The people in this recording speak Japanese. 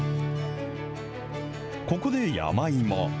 ここで山芋。